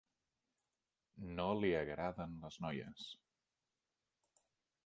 No li agraden les noies.